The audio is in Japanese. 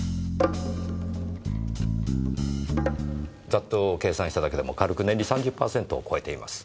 ざっと計算しただけでも軽く年利３０パーセントを超えています。